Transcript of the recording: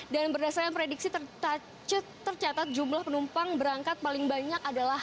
dan berdasarkan prediksi tercatat jumlah penumpang berangkat paling banyak adalah